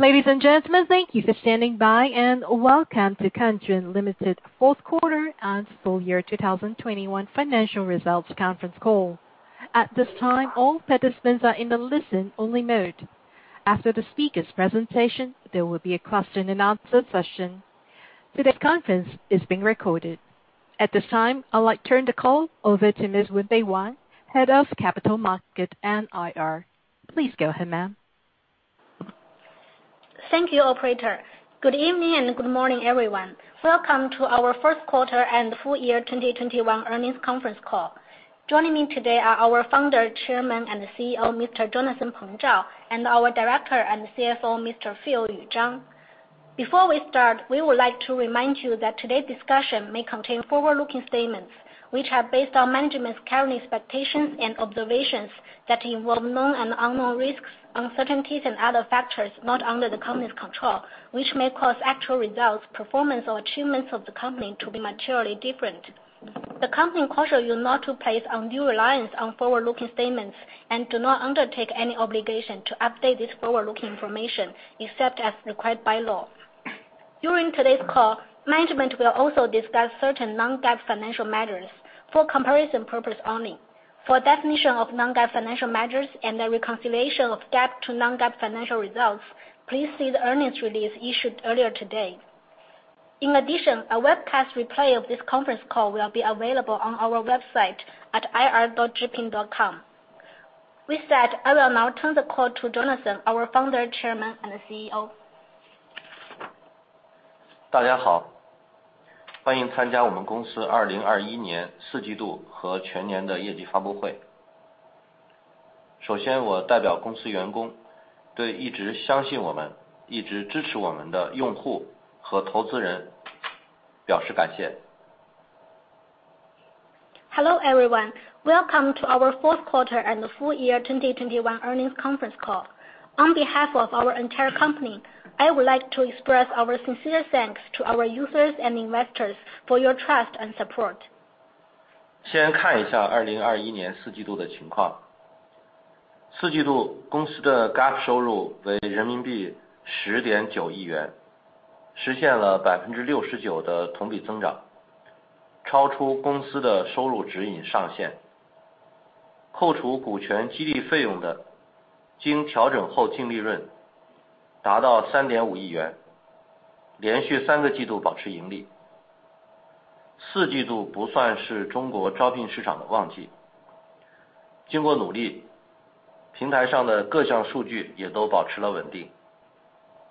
Ladies and gentlemen, thank you for standing by, and welcome to Kanzhun Limited fourth quarter and full year 2021 financial results conference call. At this time, all participants are in the listen-only mode. After the speaker's presentation, there will be a question and answer session. Today's conference is being recorded. At this time, I'd like to turn the call over to Ms. Wenbei Wang, Head of Capital Markets and IR. Please go ahead, ma'am. Thank you operator. Good evening and good morning everyone. Welcome to our first quarter and full year 2021 earnings conference call. Joining me today are our Founder, Chairman, and CEO, Mr. Jonathan Peng Zhao, and our Director and CFO, Mr. Phil Yu Zhang. Before we start, we would like to remind you that today's discussion may contain forward-looking statements which are based on management's current expectations and observations that involve known and unknown risks, uncertainties and other factors not under the company's control, which may cause actual results, performance or achievements of the company to be materially different. The company caution you not to place undue reliance on forward-looking statements and do not undertake any obligation to update this forward-looking information except as required by law. During today's call, management will also discuss certain non-GAAP financial measures for comparison purpose only. For a definition of non-GAAP financial measures and the reconciliation of GAAP to non-GAAP financial results, please see the earnings release issued earlier today. In addition, a webcast replay of this conference call will be available on our website at ir.zhipin.com. With that, I will now turn the call to Jonathan, our Founder, Chairma, and CEO. 大家好，欢迎参加我们公司二零二一年四季度和全年的业绩发布会。首先我代表公司员工对一直相信我们、一直支持我们的用户和投资人表示感谢。Hello everyone. Welcome to our fourth quarter and the full year 2021 earnings conference call. On behalf of our entire company, I would like to express our sincere thanks to our users and investors for your trust and support. 先看一下2021年四季度的情况。四季度公司的GAAP收入为人民币10.9亿元，实现了69%的同比增长，超出公司的收入指引上限。扣除股权激励费用的经调整后净利润达到3.5亿元，连续三个季度保持盈利。四季度不算是中国招聘市场的旺季。经过努力，平台上的各项数据也都保持了稳定。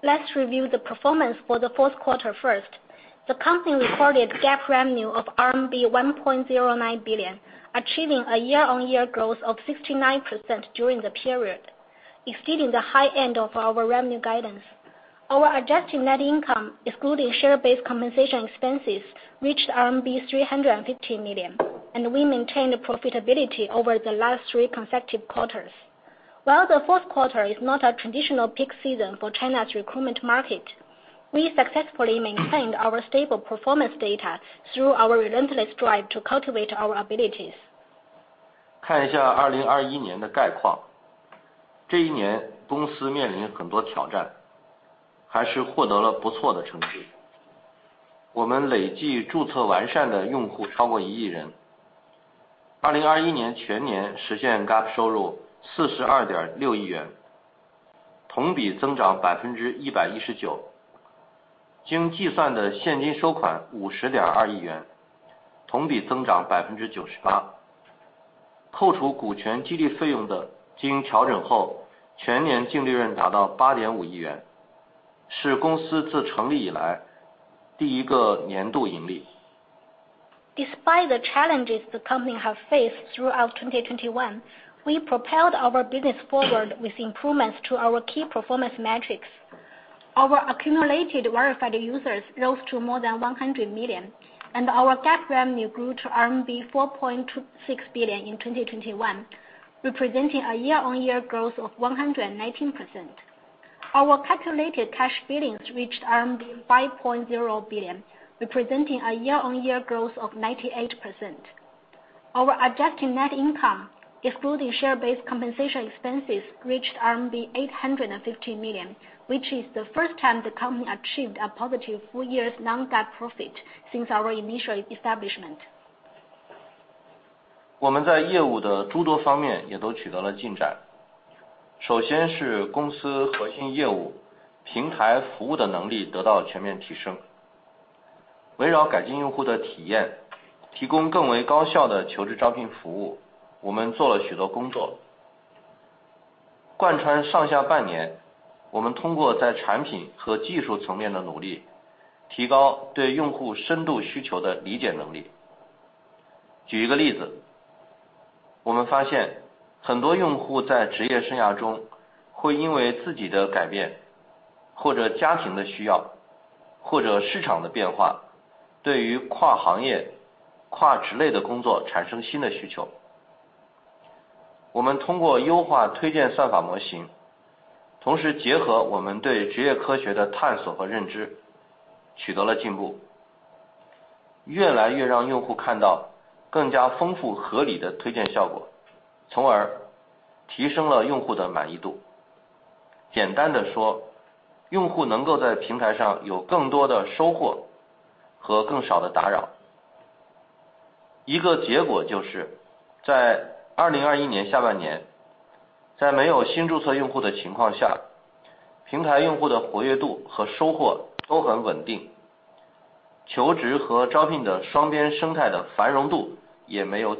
Let's review the performance for the fourth quarter first. The company recorded GAAP revenue of RMB 1.09 billion, achieving a year-on-year growth of 69% during the period, exceeding the high end of our revenue guidance. Our adjusted net income, excluding share-based compensation expenses, reached RMB 350 million, and we maintained profitability over the last three consecutive quarters. While the fourth quarter is not a traditional peak season for China's recruitment market, we successfully maintained our stable performance data through our relentless drive to cultivate our abilities. Despite the challenges the company have faced throughout 2021, we propelled our business forward with improvements to our key performance metrics. Our accumulated verified users rose to more than 100 million and our GAAP revenue grew to RMB 4.26 billion in 2021, representing a year-on-year growth of 119%. Our calculated cash billings reached 5.0 billion, representing a year-on-year growth of 98%. Our adjusted net income, excluding share-based compensation expenses, reached RMB 850 million, which is the first time the company achieved a positive full-year's non-GAAP profit since our initial establishment. We made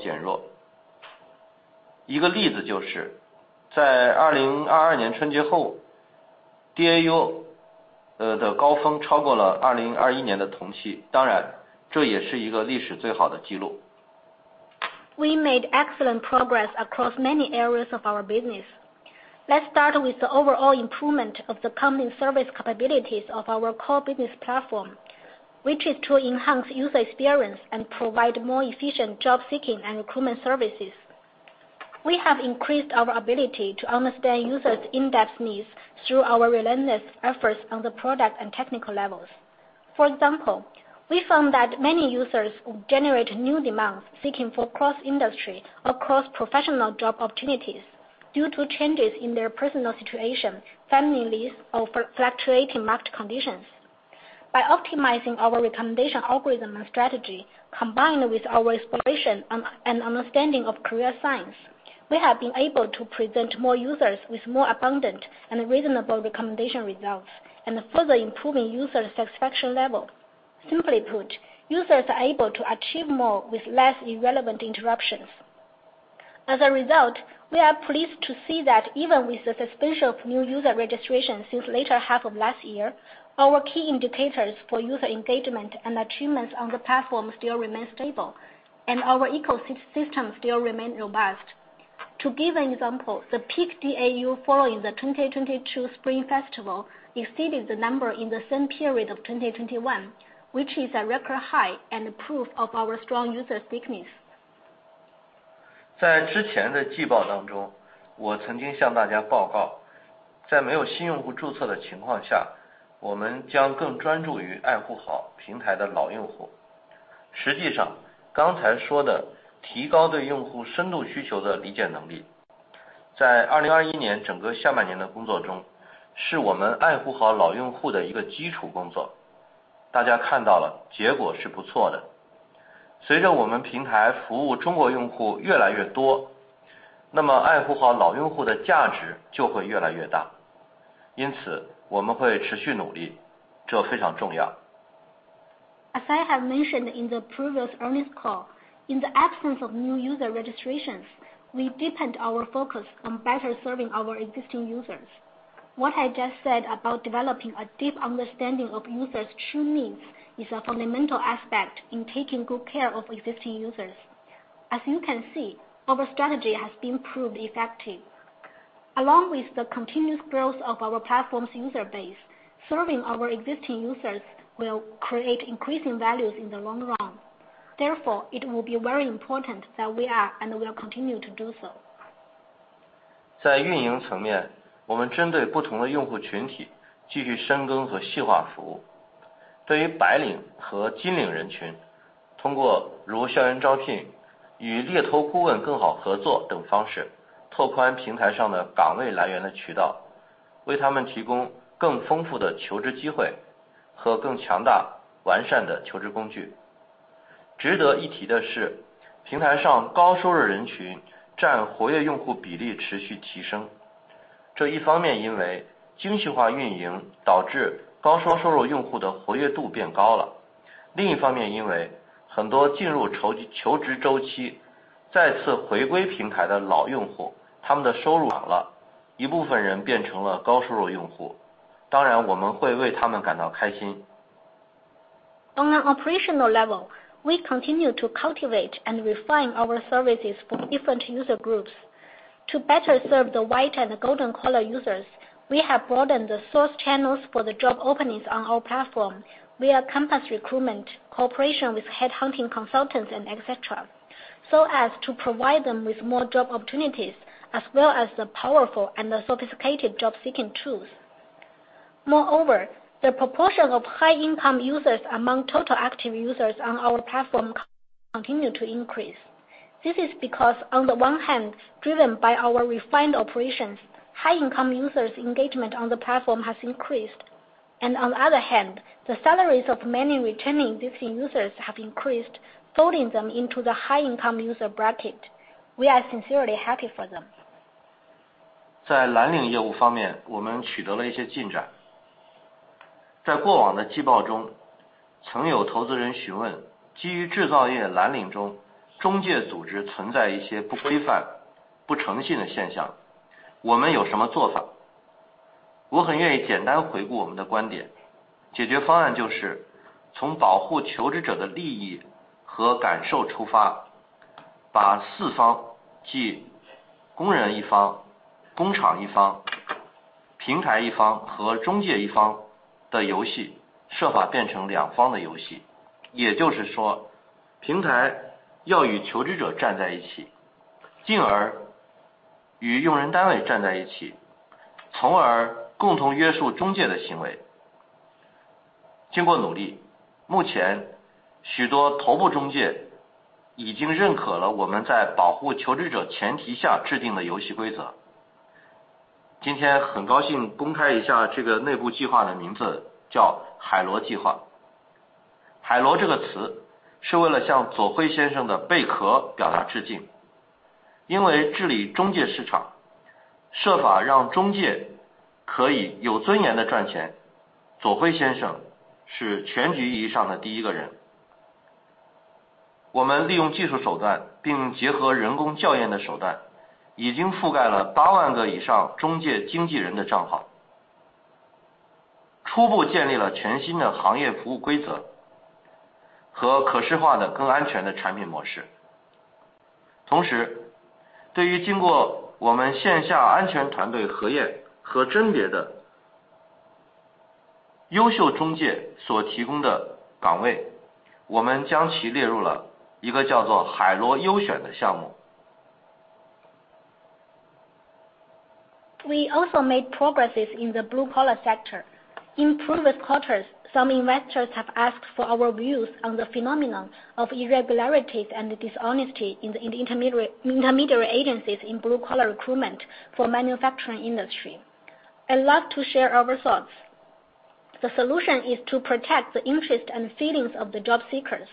excellent progress across many areas of our business. Let's start with the overall improvement of the coming service capabilities of our core business platform, which is to enhance user experience and provide more efficient job seeking and recruitment services. We have increased our ability to understand users in depth needs through our relentless efforts on the product and technical levels. For example, we found that many users will generate new demands seeking for cross industry or cross professional job opportunities due to changes in their personal situation, family or fluctuating market conditions. By optimizing our recommendation algorithm and strategy, combined with our exploration and understanding of career science, we have been able to present more users with more abundant and reasonable recommendation results and further improving user satisfaction level. Simply put, users are able to achieve more with less irrelevant interruptions. As a result, we are pleased to see that even with the suspension of new user registration since latter half of last year, our key indicators for user engagement and achievements on the platform still remain stable and our ecosystem still remain robust. To give an example, the peak DAU following the 2022 Spring Festival exceeded the number in the same period of 2021, which is a record high and proof of our strong user stickiness. As I have mentioned in the previous earnings call, in the absence of new user registrations, we deepened our focus on better serving our existing users. What I just said about developing a deep understanding of users' true needs is a fundamental aspect in taking good care of existing users. As you can see, our strategy has been proved effective along with the continuous growth of our platform's user base. Serving our existing users will create increasing values in the long run. Therefore, it will be very important that we are and will continue to do so. On an operational level, we continue to cultivate and refine our services for different user groups to better serve the white-collar and golden-collar users. We have broadened the source channels for the job openings on our platform via campus recruitment, cooperation with headhunting consultants and etc., so as to provide them with more job opportunities as well as the powerful and the sophisticated job-seeking tools. Moreover, the proportion of high-income users among total active users on our platform continue to increase. This is because on the one hand, driven by our refined operations, high-income users engagement on the platform has increased, and on the other hand, the salaries of many returning existing users have increased, folding them into the high-income user bracket. We are sincerely happy for them. We also made progresses in the blue collar sector. In previous quarters, some investors have asked for our views on the phenomenon of irregularities and dishonesty in the intermediary agencies in blue collar recruitment for manufacturing industry. I'd love to share our thoughts. The solution is to protect the interests and feelings of the job seekers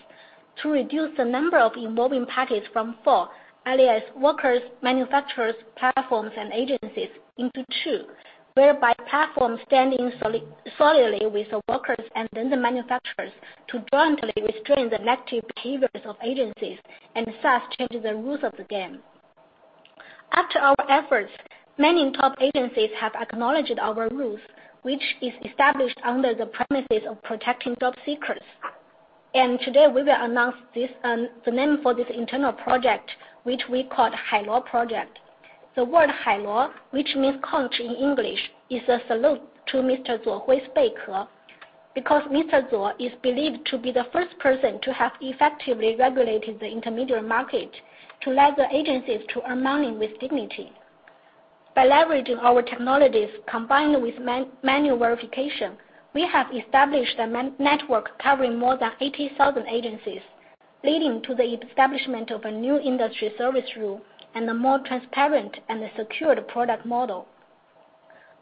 to reduce the number of involving parties from four, namely workers, manufacturers, platforms and agencies into two, whereby platforms standing solidly with the workers and then the manufacturers to jointly restrain the negative behaviors of agencies and thus change the rules of the game. After our efforts, many top agencies have acknowledged our rules, which is established under the premise of protecting job seekers. Today we will announce this, the name for this internal project, which we called Hailuo Project. The word Hailuo, which means conch in English, is a salute to Mr. Zuo Hui's Beike, because Mr. Zuo is believed to be the first person to have effectively regulated the intermediary market to let the agencies to earn money with dignity. By leveraging our technologies combined with manual verification, we have established a network covering more than 80,000 agencies, leading to the establishment of a new industry service rule, and a more transparent and secure product model.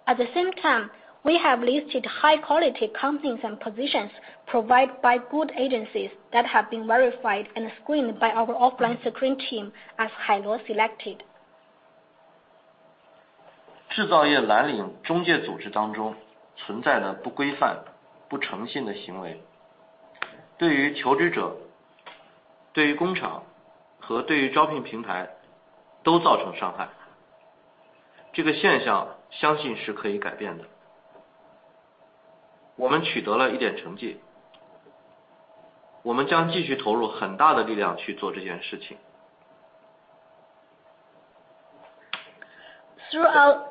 At the same time, we have listed high quality companies and positions provided by good agencies that have been verified and screened by our offline screening team as Hailuo selected. 制造业蓝领中介组织当中存在的不规范、不诚信的行为，对于求职者，对于工厂和对于招聘平台都造成伤害。这个现象相信是可以改变的。我们取得了一点成绩，我们将继续投入很大的力量去做这件事情。Throughout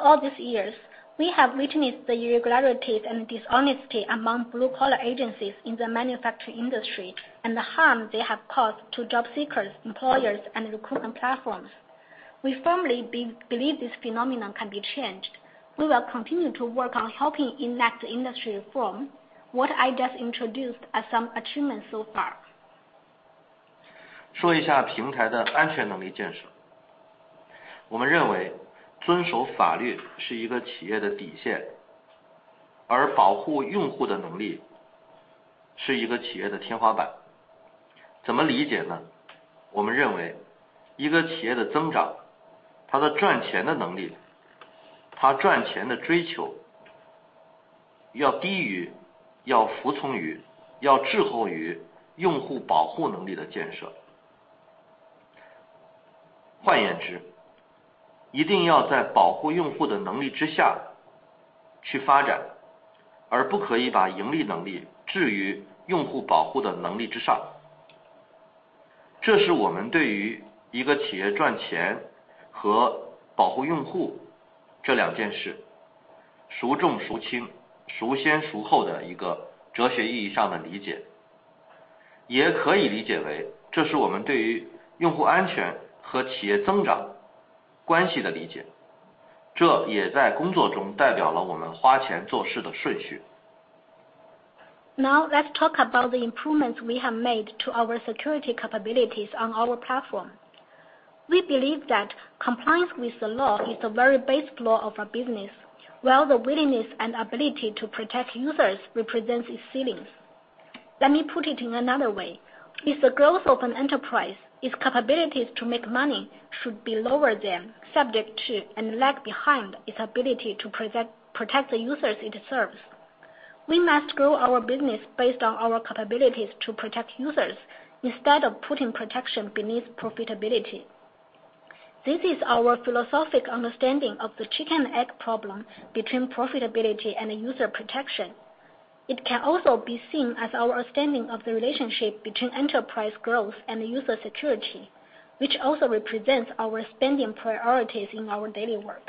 all these years, we have witnessed the irregularities and dishonesty among blue collar agencies in the manufacturing industry and the harm they have caused to job seekers, employers, and recruitment platforms. We firmly believe this phenomenon can be changed. We will continue to work on helping enact industry reform. What I just introduced are some achievements so far. Now let's talk about the improvements we have made to our security capabilities on our platform. We believe that compliance with the law is the very base floor of our business, while the willingness and ability to protect users represents its ceilings. Let me put it in another way, it's the growth of an enterprise. Its capabilities to make money should be lower than, subject to, and lag behind its ability to protect the users it serves. We must grow our business based on our capabilities to protect users instead of putting protection beneath profitability. This is our philosophic understanding of the chicken and egg problem between profitability and user protection. It can also be seen as our understanding of the relationship between enterprise growth and user security, which also represents our spending priorities in our daily work.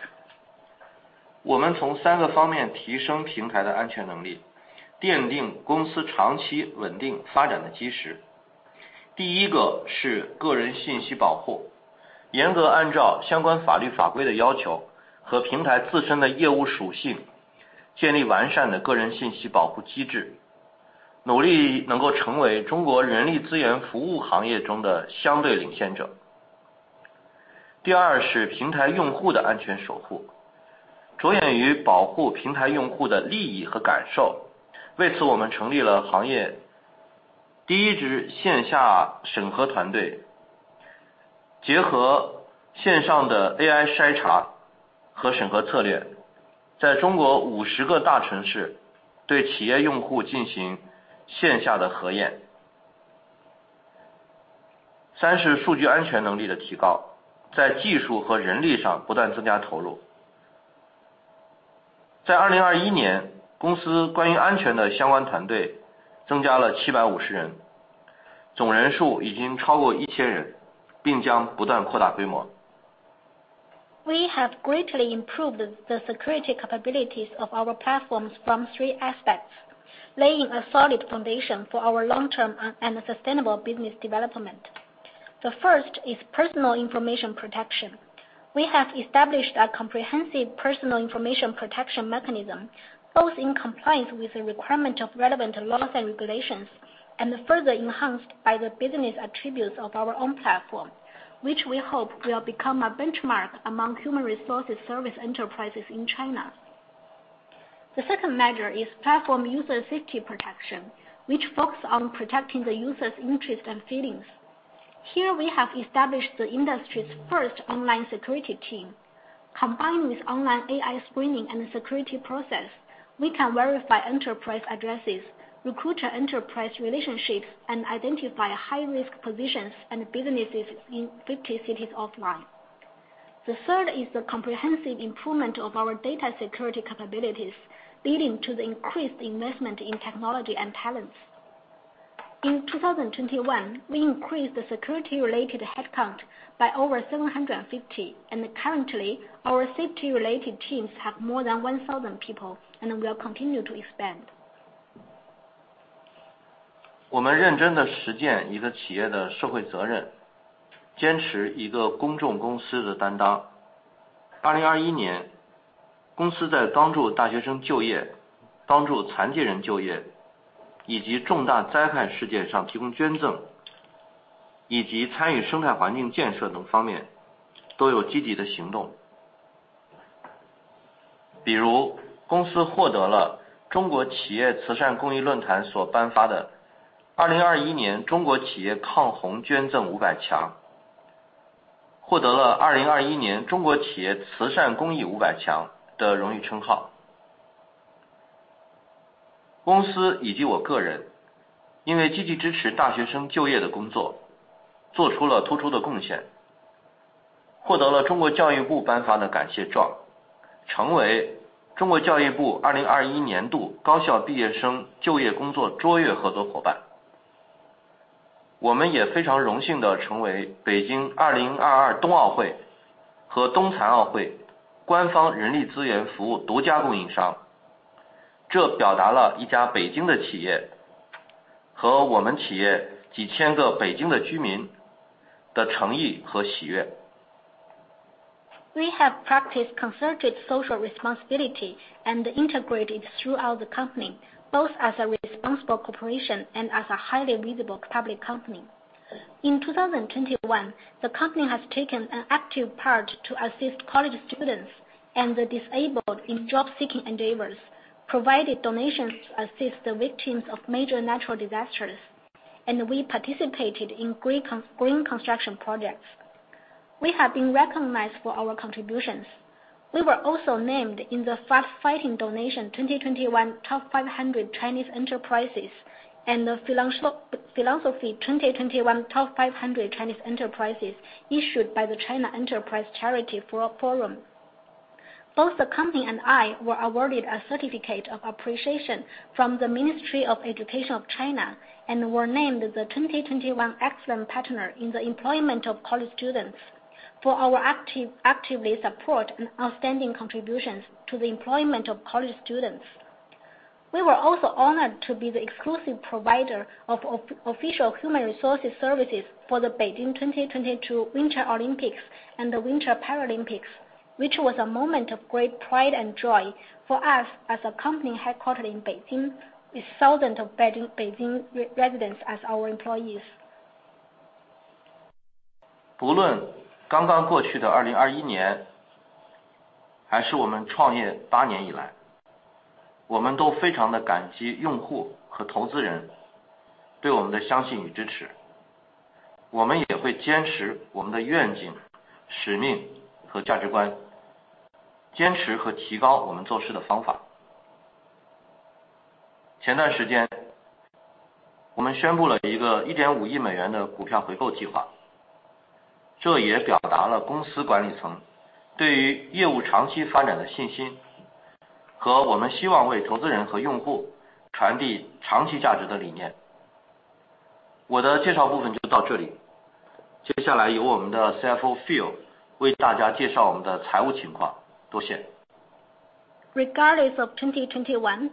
We have greatly improved the security capabilities of our platforms from three aspects, laying a solid foundation for our long-term and sustainable business development. The first is personal information protection. We have established a comprehensive personal information protection mechanism, both in compliance with the requirements of relevant laws and regulations, and further enhanced by the business attributes of our own platform, which we hope will become a benchmark among human resources service enterprises in China. The second measure is platform user safety protection, which focuses on protecting the user's interests and feelings. Here we have established the industry's first online security team. Combined with online AI screening and security process, we can verify enterprise addresses, recruiter enterprise relationships, and identify high-risk positions and businesses in 50 cities offline. The third is the comprehensive improvement of our data security capabilities, leading to the increased investment in technology and talents. In 2021, we increased the security related headcount by over 750, and currently our safety related teams have more than 1,000 people and will continue to expand. We have practiced concerted social responsibility and integrated throughout the company, both as a responsible corporation and as a highly visible public company. In 2021, the company has taken an active part to assist college students and the disabled in job seeking endeavors, provided donations to assist the victims of major natural disasters, and we participated in green construction projects. We have been recognized for our contributions. We were also named in the Flood Fighting Donation 2021 Top 500 Chinese Enterprises and the Philanthropy 2021 Top 500 Chinese Enterprises issued by the China Enterprise Charity Forum. Both the company and I were awarded a certificate of appreciation from the Ministry of Education of China and were named the 2021 Excellent Partner in the Employment of College Students for our active support and outstanding contributions to the employment of college students. We were also honored to be the exclusive provider of official human resources services for the Beijing 2022 Winter Olympics and the Winter Paralympics, which was a moment of great pride and joy for us as a company headquartered in Beijing with thousands of Beijing residents as our employees. Regardless of 2021,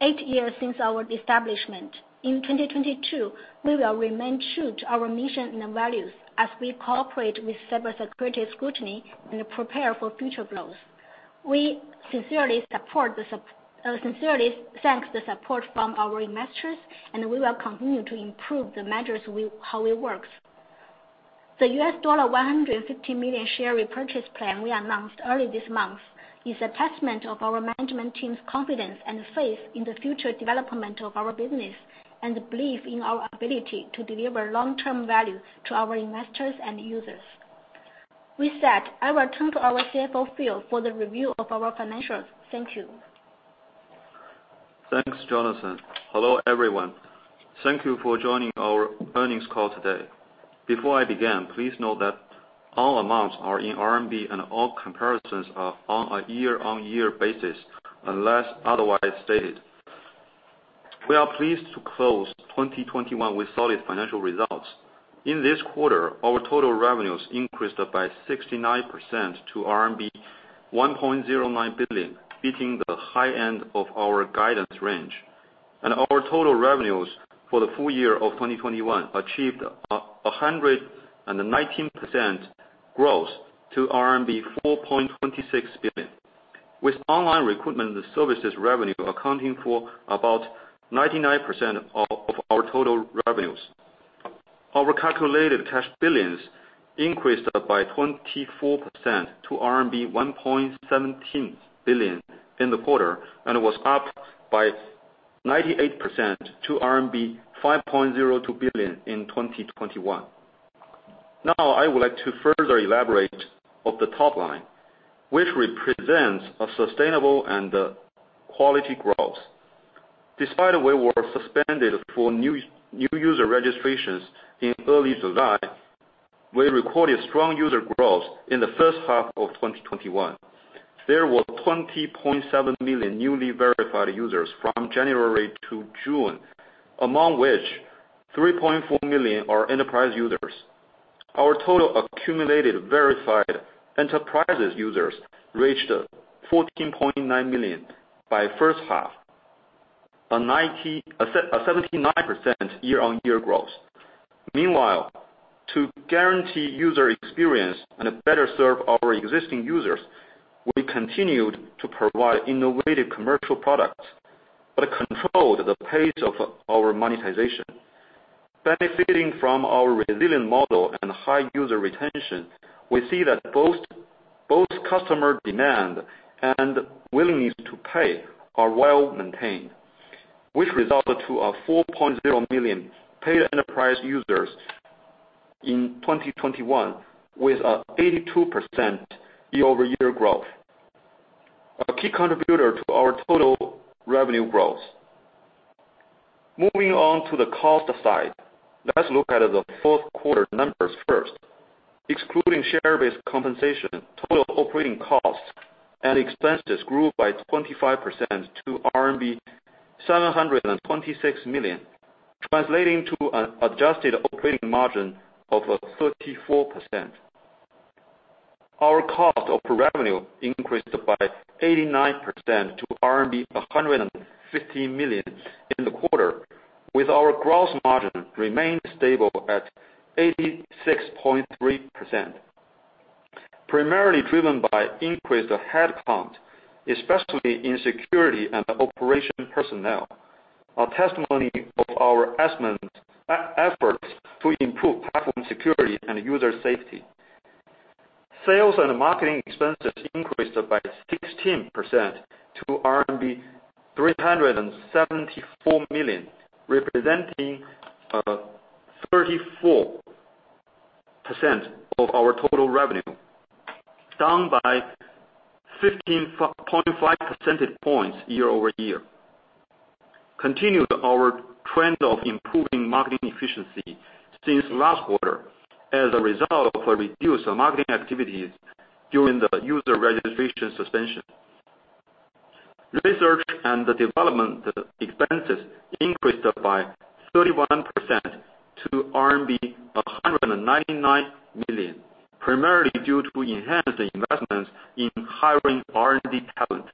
eight years since our establishment, in 2022, we will remain true to our mission and values as we cooperate with cybersecurity scrutiny and prepare for future growth. We sincerely thanks the support from our investors, and we will continue to improve the measures how it works. The $150 million share repurchase plan we announced early this month is a testament of our management team's confidence and faith in the future development of our business and the belief in our ability to deliver long-term value to our investors and users. With that, I will turn to our CFO, Phil, for the review of our financials. Thank you. Thanks, Jonathan. Hello, everyone. Thank you for joining our earnings call today. Before I begin, please note that all amounts are in RMB and all comparisons are on a year-on-year basis unless otherwise stated. We are pleased to close 2021 with solid financial results. In this quarter, our total revenues increased by 69% to RMB 1.09 billion, beating the high end of our guidance range. Our total revenues for the full year of 2021 achieved a 119% growth to RMB 4.26 billion. With online recruitment services revenue accounting for about 99% of our total revenues. Our calculated cash billings increased by 24% to RMB 1.17 billion in the quarter and was up by 98% to RMB 5.02 billion in 2021. Now, I would like to further elaborate on the top line, which represents a sustainable and quality growth. Despite we were suspended for new user registrations in early July, we recorded strong user growth in the first half of 2021. There were 20.7 million newly verified users from January to June, among which 3.4 million are enterprise users. Our total accumulated verified enterprise users reached 14.9 million by first half, a 79% year-on-year growth. Meanwhile, to guarantee user experience and better serve our existing users, we continued to provide innovative commercial products that controlled the pace of our monetization. Benefiting from our resilient model and high user retention, we see that both customer demand and willingness to pay are well-maintained, which resulted in a 4.0 million paid enterprise users in 2021 with an 82% year-over-year growth, a key contributor to our total revenue growth. Moving on to the cost side. Let's look at the fourth quarter numbers first. Excluding share-based compensation, total operating costs and expenses grew by 25% to RMB 726 million. Translating to an adjusted operating margin of 34%. Our cost of revenue increased by 89% to RMB 150 million in the quarter, with our gross margin remained stable at 86.3%. Primarily driven by increased headcount, especially in security and operation personnel, a testimony of our excellent efforts to improve platform security and user safety. Sales and marketing expenses increased by 16% to RMB 374 million, representing 34% of our total revenue, down by 15.5 percentage points year-over-year. We continued our trend of improving marketing efficiency since last quarter as a result of reduced marketing activities during the user registration suspension. Research and development expenses increased by 31% to RMB 199 million, primarily due to enhanced investments in hiring R&D talent.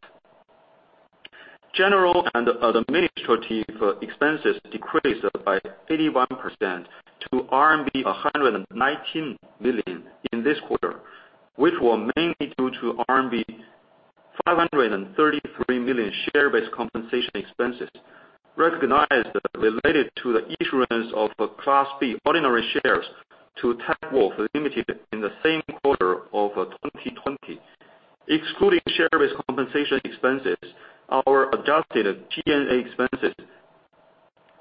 General and administrative expenses decreased by 81% to RMB 119 million in this quarter, which were mainly due to RMB 533 million share-based compensation expenses recognized related to the issuance of Class B ordinary shares to Techwolf Limited in the same quarter of 2020. Excluding share-based compensation expenses, our adjusted G&A expenses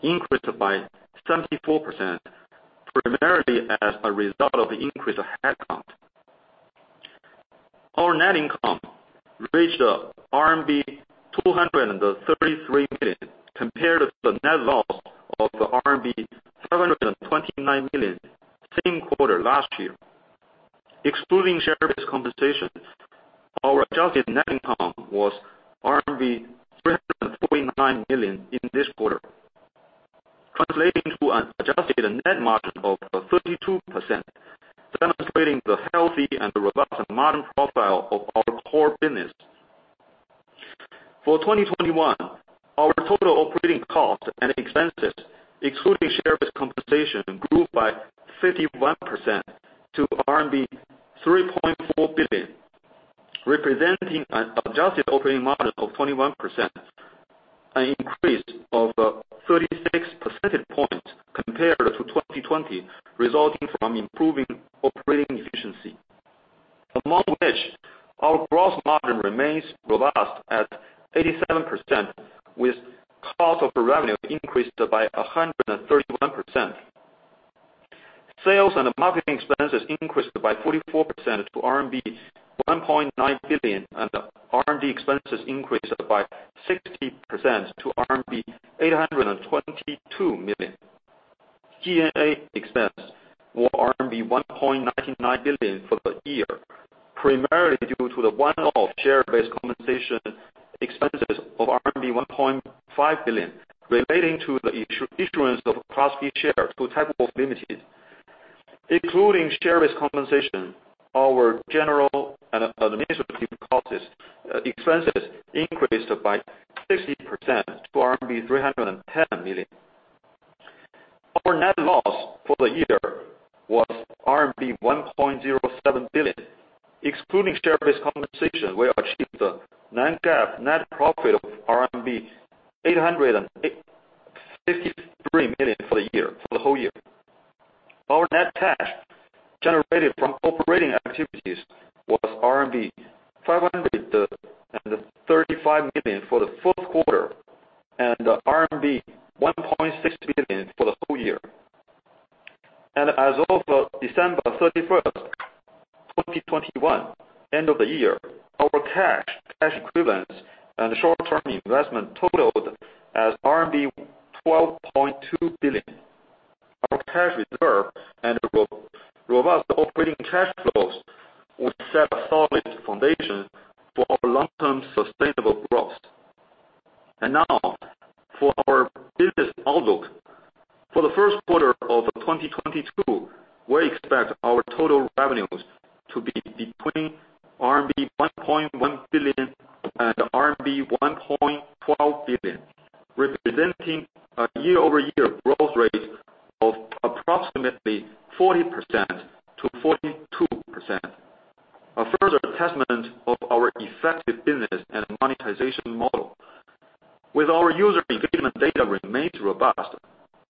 increased by 74%, primarily as a result of increased headcount. Our net income reached RMB 233 million compared to the net loss of RMB 729 million same quarter last year. Excluding share-based compensation, our adjusted net income was RMB 349 million in this quarter, translating to an adjusted net margin of 32%, demonstrating the healthy and robust margin profile of our core business. For 2021, our total operating costs and expenses, excluding share-based compensation, grew by 51% to RMB 3.4 billion, representing an adjusted operating margin of 21%, an increase of 36 percentage points compared to 2020, resulting from improving operating efficiency. Among which our gross margin remains robust at 87%, with cost of revenue increased by 131%. Sales and marketing expenses increased by 44% to RMB 1.9 billion and R&D expenses increased by 60% to RMB 822 million. G&A expenses were RMB 1.99 billion for the year, primarily due to the one-off share-based compensation expenses of RMB 1.5 billion relating to the issuance of Class B shares to Techwolf Limited, including share-based compensation. Our general and administrative expenses increased by 60% to RMB 310 million. Our net loss for the year was RMB 1.07 billion. Excluding share-based compensation, we achieved a non-GAAP net profit of RMB 853 million for the year, for the whole year. Our net cash generated from operating activities was RMB 535 million for the fourth quarter and RMB 1.6 billion for the whole year. As of December 31st, 2021, end of the year, our cash equivalents and short-term investment totaled RMB 12.2 billion. Our cash reserve and robust operating cash flows will set a solid foundation for our long-term sustainable growth. Now for our business outlook. For the first quarter of 2022, we expect our total revenues to be between RMB 1.1 billion and RMB 1.12 billion, representing a year-over-year growth rate of approximately 40%-42%. A further testament of our effective business and monetization model. With our user engagement data remains robust,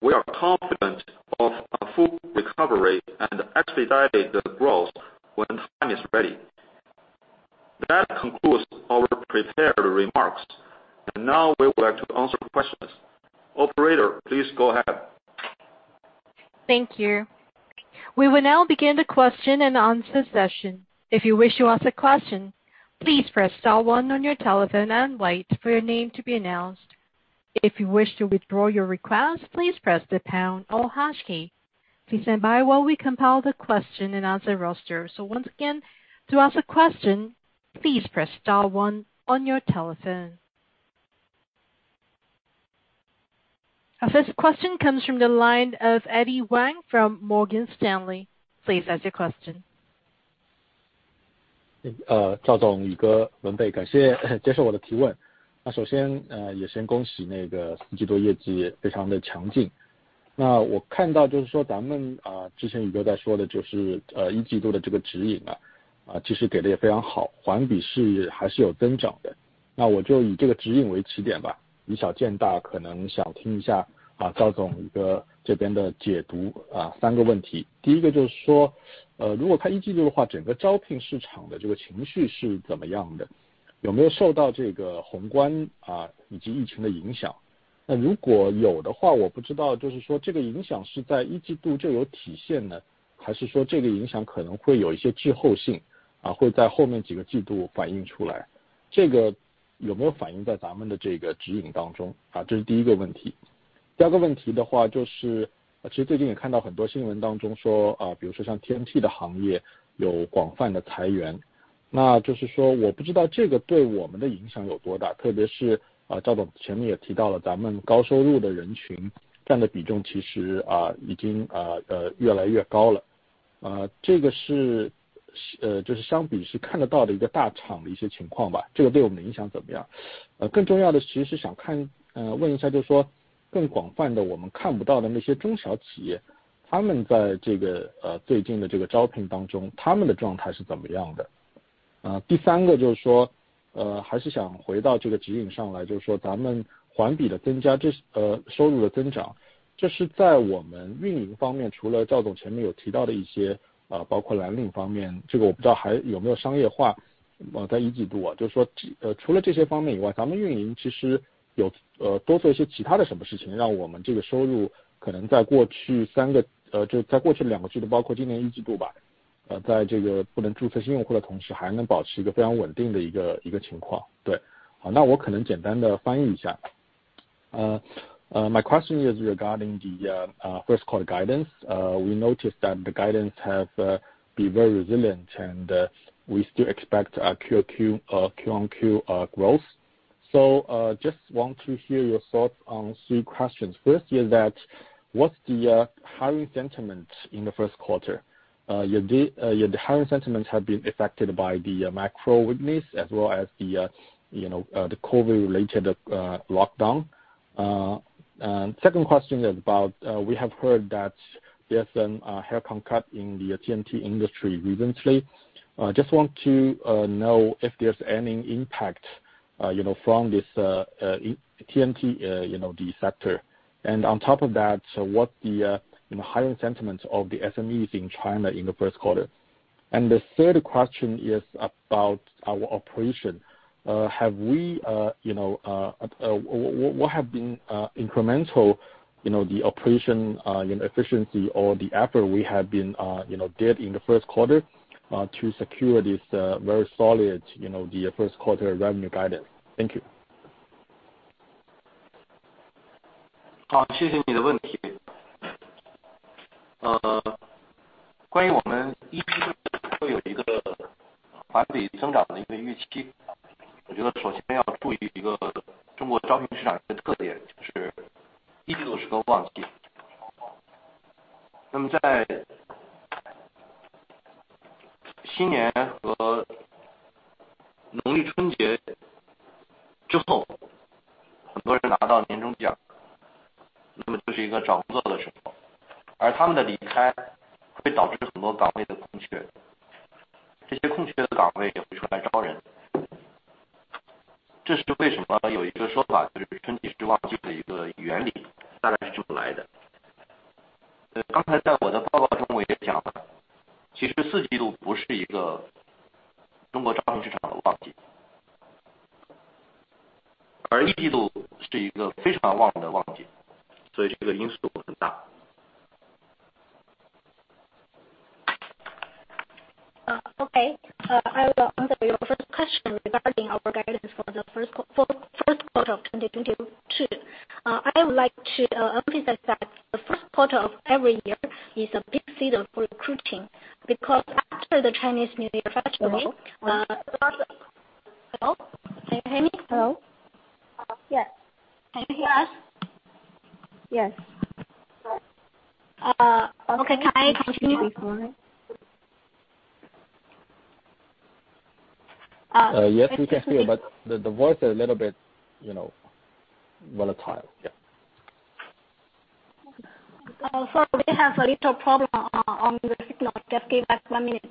we are confident of a full recovery and expedited growth when time is ready. That concludes our prepared remarks. Now we will answer questions. Operator, please go ahead. Thank you. We will now begin the Q&A session. If you wish to ask a question, please press star one on your telephone and wait for your name to be announced. If you wish to withdraw your request, please press the pound or hash key. Please stand by while we compile the Q&A roster. Once again, to ask a question, please press star one on your telephone. Our first question comes from the line of Eddy Wang from Morgan Stanley. Please ask your question. 赵总、李哥、文蓓，感谢接受我的提问。首先，也先恭喜那个季度业绩非常的强劲。那我看到就是说咱们，之前李哥在说的就是，一季度的这个指引啊，其实给得也非常好，环比还是有增长的。那我就以这个指引为起点吧，以小见大，可能想听一下，赵总这边的解读，三个问题。第一个就是说，如果看一季度的话，整个招聘市场的这个情绪是怎么样的，有没有受到这个宏观以及疫情的影响？那如果有的话，我不知道就是说这个影响是在一季度就有体现呢，还是说这个影响可能会有一些滞后性，会在后面几个季度反映出来，这个有没有反映在咱们的这个指引当中？这是第一个问题。第二个问题的话就是，其实最近也看到很多新闻当中说，比如说像互联网行业有广泛的裁员，那就是说我不知道这个对我们的影响有多大，特别是，赵总前面也提到了，咱们高收入的人群占的比重，其实已经越来越高了。这个是——就是相比是看得到的一个大厂的一些情况吧，这个对我们的影响怎么样？更重要的其实想问一下，就是说更广泛的我们看不到的那些中小企业，他们在这个最近的这个招聘当中，他们的状态是怎么样的？第三个就是说，还是想回到这个指引上来，就是说咱们环比的增加，收入的增长，这是在我们运营方面，除了赵总前面有提到的一些，包括蓝领方面，这个我不知道还有没有商业化，在一季度，除了这些方面以外，咱们运营其实有多做一些其他的什么事情，让我们这个收入可能在过去两个季度，包括今年一季度，在这个不能注册新用户的同时，还能保持一个非常稳定的情况。好，那我可能简单地翻译一下。My question is regarding the first quarter guidance. We noticed that the guidance have been very resilient and we still expect a QoQ, Q-on-Q growth. Just want to hear your thoughts on three questions. First is that what's the hiring sentiment in the first quarter? Your hiring sentiments have been affected by the macro weakness as well as the, you know, the COVID-related lockdown. Second question is about we have heard that there's some cut on the TMT industry recently. Just want to know if there's any impact, you know, from this, TMT, you know, the sector. On top of that, what the, you know, hiring sentiments of the SMEs in China in the first quarter. The third question is about our operation. What have been the incremental operational efficiencies or the efforts we have been doing in the first quarter to secure this very solid first quarter revenue guidance? Thank you. Okay, I will answer your first question regarding our guidance for first quarter of 2022. I would like to emphasize that the first quarter of every year is a big season for recruiting, because after the Chinese New Year festival. Hello, can you hear me? Hello. Yes. Can you hear us? Yes. Okay. Can I continue? Yes, we can hear you, but the voice is a little bit, you know, volatile. Yeah. We have a little problem on the signal. Just give us one minute.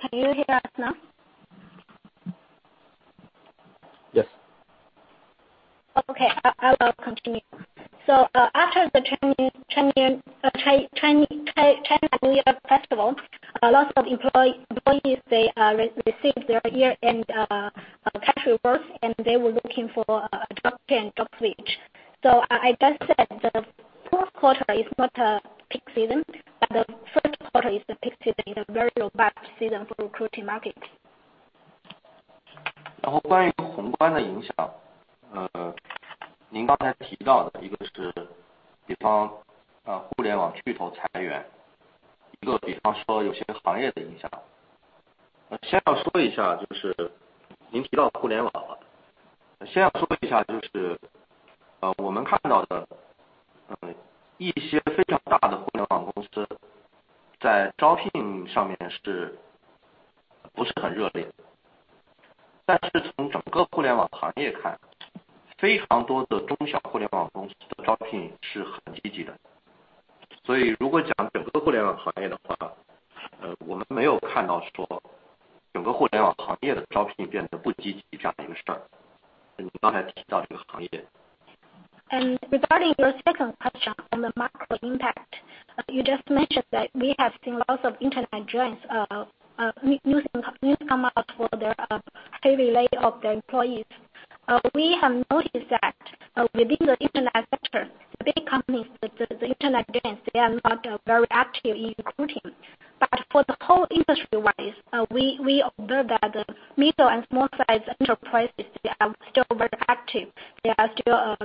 Can you hear us now? Yes. Okay. I will continue. After the Chinese New Year festival, a lot of employees, they receive their year-end bonuses and they were looking for a job change, job switch. I just said the fourth quarter is not a peak season, but the first quarter is the peak season. It's a very robust season for recruiting market. Regarding your second question on the macro impact, you just mentioned that we have seen lots of internet giants news come out for their heavy layoffs of their employees. We have noticed that within the internet sector, the big companies like the internet giants, they are not very active in recruiting. For the whole industry-wise, we observe that the medium- and small-size enterprises, they are still very active. They are still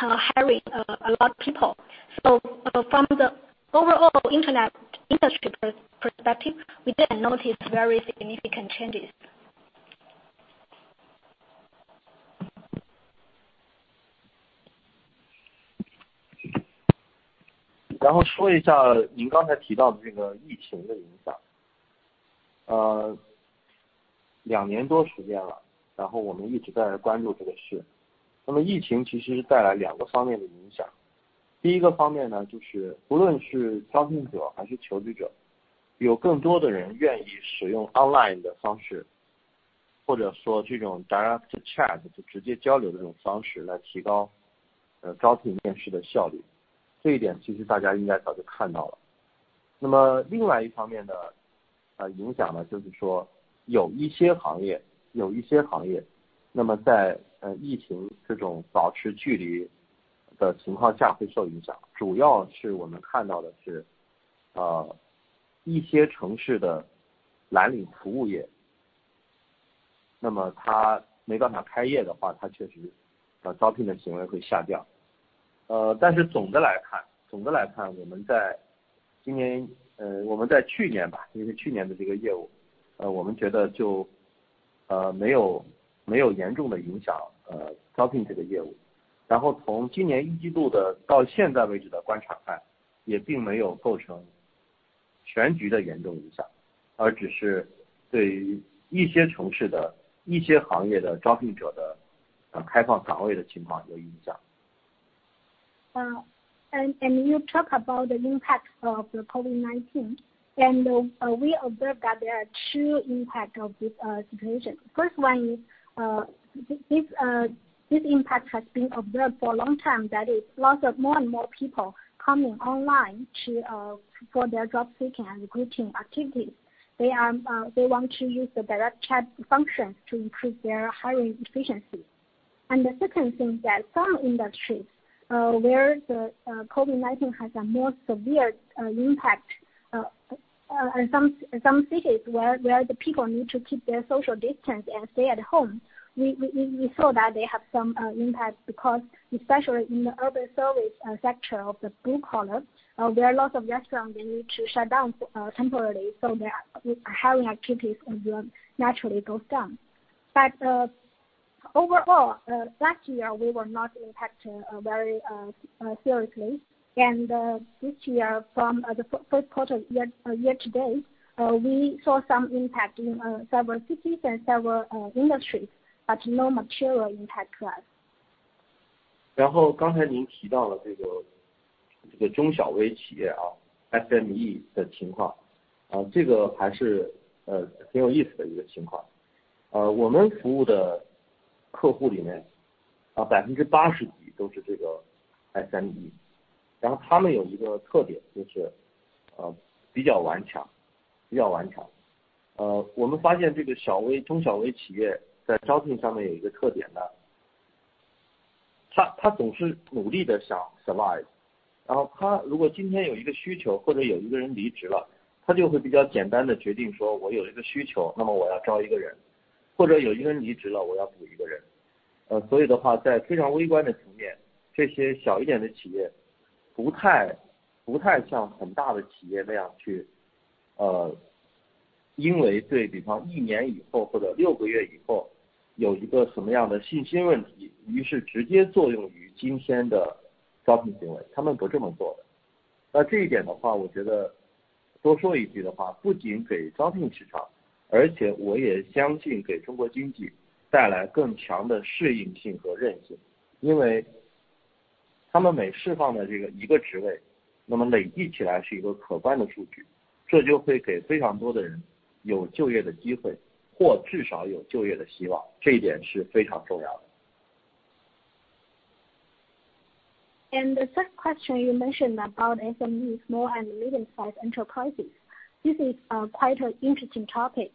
hiring a lot of people. From the overall internet industry perspective, we didn't notice very significant changes. 然后说一下您刚才提到的这个疫情的影响。两年多时间了，我们一直在关注这个事。那么疫情其实是带来两个方面的影响。第一个方面呢，就是不论是招聘者还是求职者，有更多的人愿意使用 online 的方式，或者说这种 direct chat You talk about the impact of the COVID-19. We observe that there are two impact of this situation. First one this impact has been observed for a long time. That is lots of more and more people coming online for their job seeking and recruiting activities. They want to use the direct chat function to increase their hiring efficiency. The second thing that some industries where the COVID-19 has a more severe impact. Some cities where the people need to keep their social distance and stay at home. We saw that they have some impact because especially in the overservice sector of the blue collar, there are lots of restaurants they need to shut down temporarily. Their hiring activities will naturally goes down. Overall, last year we were not impacted very seriously. This year from the first quarter year-to-date, we saw some impact in several cities and several industries, but no material impact to us. The third question you mentioned about SME small and medium-sized enterprises. This is quite an interesting topic.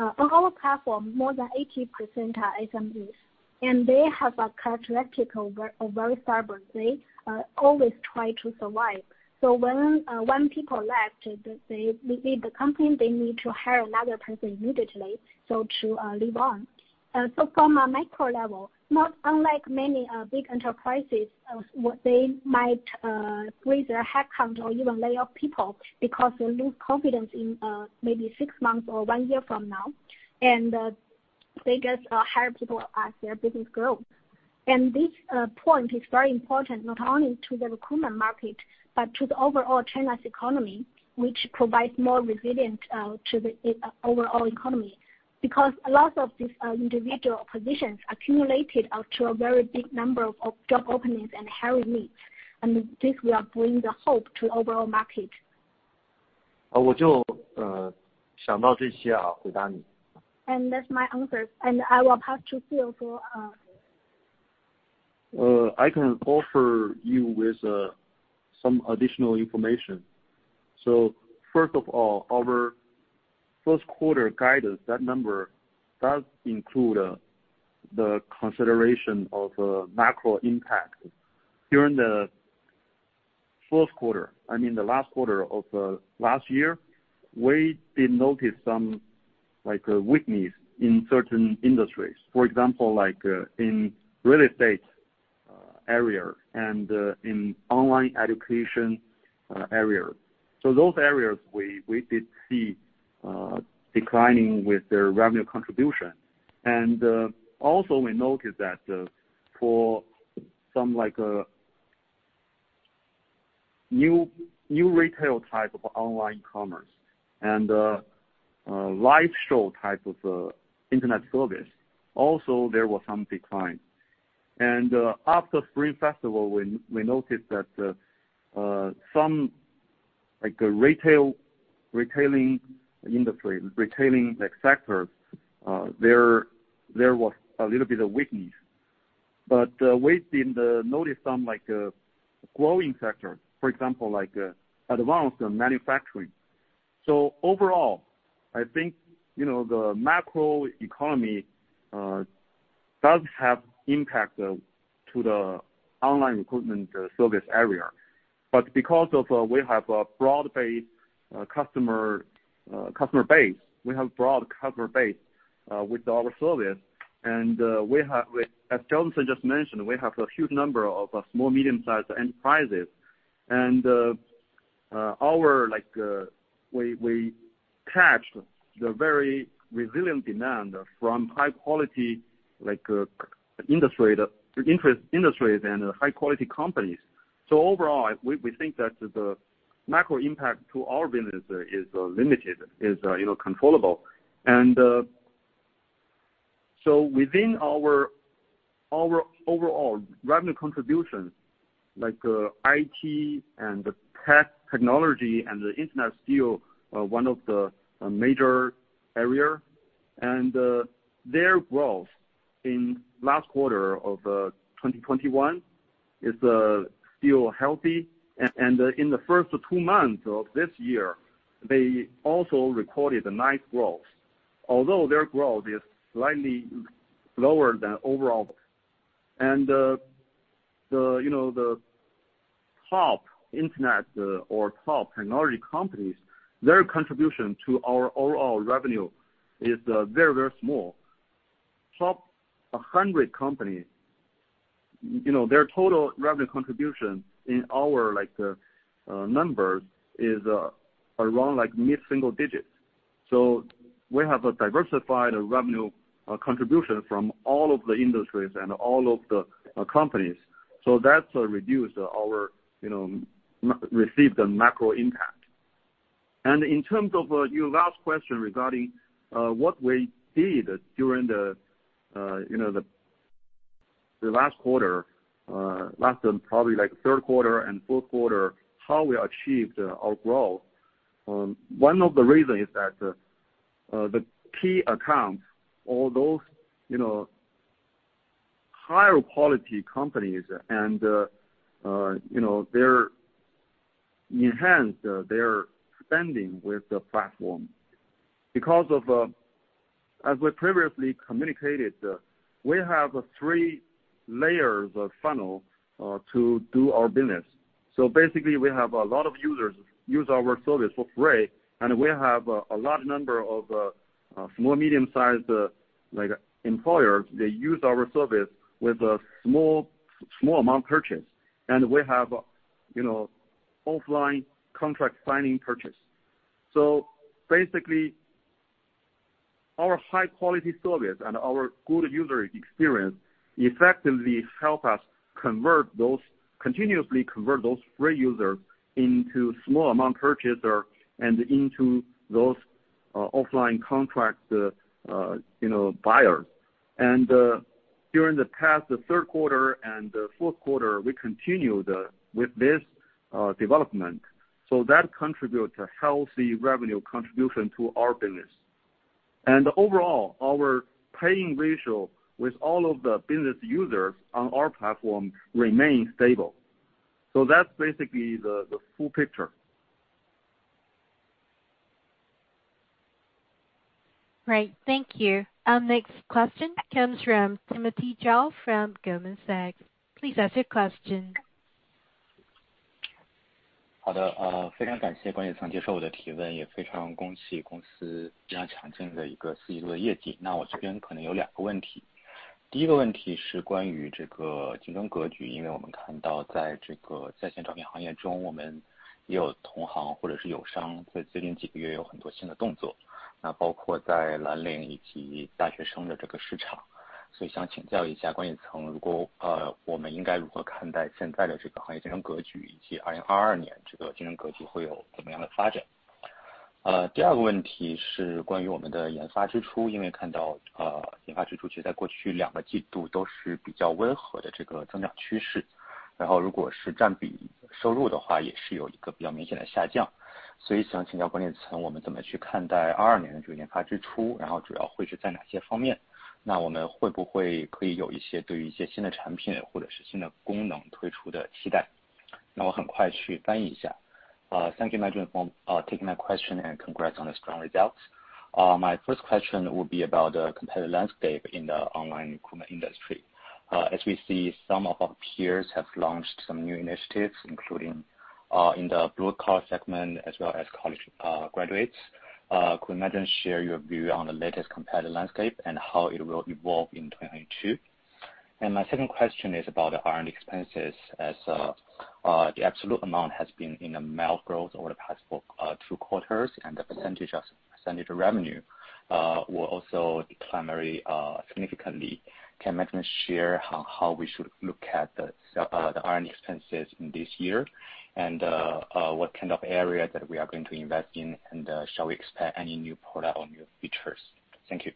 Our platform, more than 80% are SMEs, and they have a characteristic of a very stubbornness. They always try to survive. So when people left the company, they need to hire another person immediately, so to live on. So from a micro level, not unlike many big enterprises, what they might raise their headcount or even lay off people because they lose confidence in maybe six months or one year from now, and they just hire people as their business grows. This point is very important, not only to the recruitment market, but to the overall China's economy, which provides more resilience to the overall economy. Because a lot of these individual positions accumulated up to a very big number of job openings and hiring needs. This will bring the hope to overall market. 我就想到这些，回答你。That's my answer. I will pass to Phil. I can offer you with some additional information. First of all, our first quarter guidance, that number does include the consideration of a macro impact during the fourth quarter. I mean the last quarter of last year, we did notice some like weakness in certain industries, for example, like in real estate area and in online education area. Those areas we did see declining with their revenue contribution. We noticed that for some like a new retail type of online commerce and a live show type of internet service, also there were some decline. After Spring Festival, we noticed that some like retail industry, retail sector, there was a little bit of weakness, but we have noticed some like a growing sector, for example, like advanced manufacturing. Overall, I think, you know, the macro economy does have impact to the online recruitment service area. Because we have a broad-based customer base with our service and, as Jonathan just mentioned, we have a huge number of small medium-sized enterprises and we catch the very resilient demand from high-quality industries, the industries and high-quality companies. Overall, we think that the macro impact to our business is limited, you know, controllable. Within our overall revenue contributions, like IT and the technology and the internet still one of the major area and their growth in last quarter of 2021 is still healthy. In the first two months of this year, they also recorded a nice growth. Although their growth is slightly lower than overall. You know, the top internet or top technology companies, their contribution to our overall revenue is very, very small. Top 100 companies, you know, their total revenue contribution in our numbers is around mid-single digits. We have a diversified revenue contribution from all of the industries and all of the companies. That's reduced our, you know, received the macro impact. In terms of your last question regarding what we did during the last quarter and probably the third quarter and fourth quarter, how we achieved our growth. One of the reasons is that the key accounts, all those, you know, higher quality companies and, you know, they enhance their spending with the platform because of, as we previously communicated, we have a three-layer funnel to do our business. Basically, we have a lot of users use our service for free, and we have a large number of small- and medium-sized, like, employers. They use our service with a small amount purchase. We have, you know, offline contract signing purchase. Basically, our high quality service and our good user experience effectively help us convert those, continuously convert those free users into small amount purchasers and into those offline contract, you know, buyers. During the past third quarter and the fourth quarter, we continued with this development. That contributes a healthy revenue contribution to our business. Overall, our paying ratio with all of the business users on our platform remain stable. That's basically the full picture. Right. Thank you. Our next question comes from Timothy Zhao from Goldman Sachs. Please ask your question. Thank you, management, for taking my question and congrats on the strong results. My first question will be about competitive landscape in the online recruitment industry. As we see, some of our peers have launched some new initiatives, including in the blue collar segment as well as college graduates. Could management share your view on the latest competitive landscape and how it will evolve in 2022? My second question is about R&D expenses as the absolute amount has been in a mild growth over the past two quarters and the percentage of revenue will also decline very significantly. Can management share how we should look at the R&D expenses in this year and what kind of areas that we are going to invest in, and shall we expect any new product or new features? Thank you.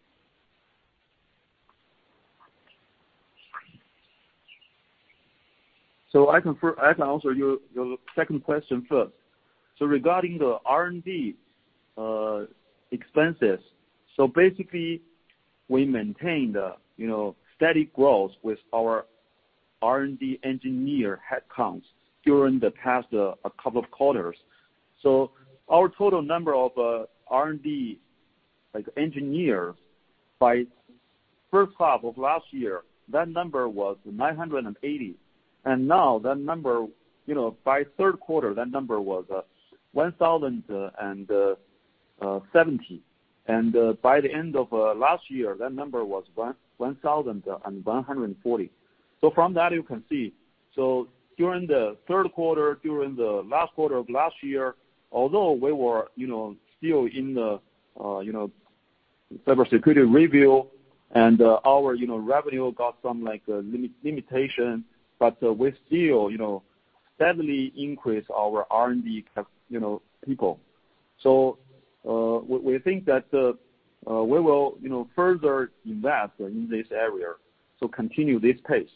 I can answer your second question first. Regarding the R&D expenses, basically we maintain the, you know, steady growth with our R&D engineer headcounts during the past couple of quarters. Our total number of R&D engineers by first half of last year, that number was 980, and now that number, you know, by third quarter, that number was 1,070. By the end of last year, that number was 1,140. From that you can see. During the third quarter, during the last quarter of last year, although we were, you know, still in the cybersecurity review, and our, you know, revenue got some limitations, but we still, you know, suddenly increase our R&D, you know, people. We think that we will, you know, further invest in this area, so continue this pace.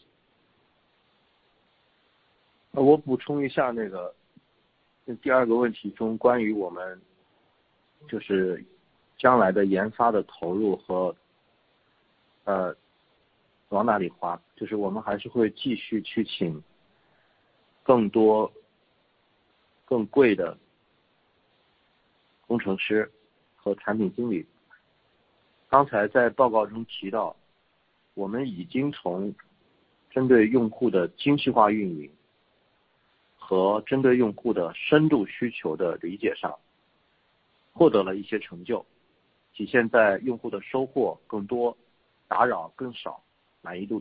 I would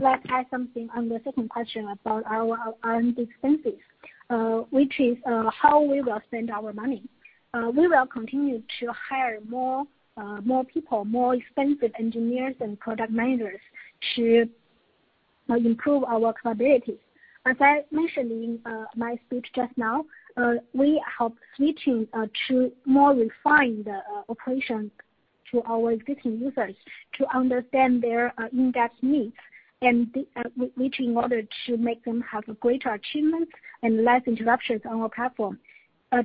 like to add something on the second question about our R&D expenses, which is how we will spend our money. We will continue to hire more people, more expensive engineers and product managers to improve our capabilities. As I mentioned in my speech just now, we have switching to more refined operations to our existing users to understand their in-depth needs, and which in order to make them have a greater achievement and less interruptions on our platform,